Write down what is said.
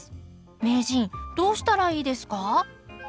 名人どうしたらいいですか？